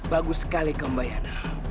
bagus sekali kambayana